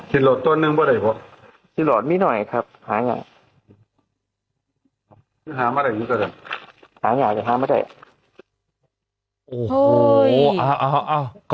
ฮ่ามาหน่อย